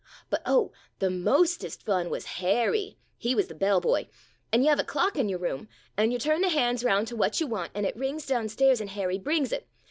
But oh, the mostest fun wuz Harry — he wuz the bell boy — an' you have a clock in your room, an' you turn the hands round to what you want, an' it rings down stairs an' Harry brings it.